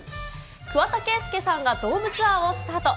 桑田佳祐さんがドームツアーをスタート。